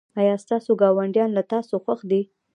ایا ستاسو ګاونډیان له تاسو خوښ دي؟